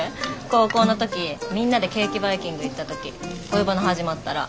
高校の時みんなでケーキバイキング行った時恋バナ始まったら。